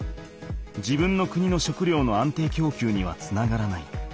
自分の国の食料の安定きょうきゅうにはつながらない。